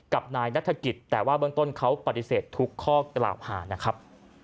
กับนายนัฐกิจแต่ว่าเบื้องต้นเขาปฏิเสธทุกข้อกล่าวหานะครับ